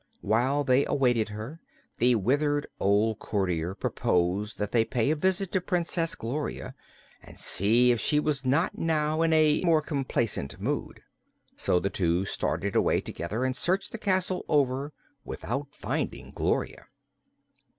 While they awaited her, the withered old courtier proposed that they pay a visit to Princess Gloria and see if she was not now in a more complaisant mood. So the two started away together and searched the castle over without finding Gloria.